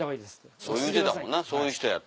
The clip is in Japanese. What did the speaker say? そう言うてたもんなそういう人やって。